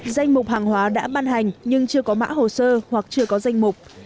danh mục hàng hóa đã ban hành nhưng chưa có mã hồ sơ hoặc chưa có danh mục